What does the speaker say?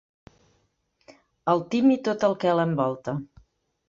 El Tim i tot el que l'envolta.